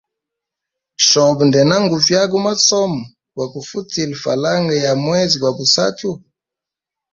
Shobe ndena nguvyaga umasomo gwa kufutile falanga ya mwezi gwa busatu.